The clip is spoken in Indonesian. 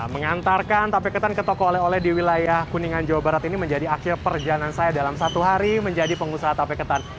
mengantarkan tape ketan ke toko oleh oleh di wilayah kuningan jawa barat ini menjadi akhir perjalanan saya dalam satu hari menjadi pengusaha tape ketan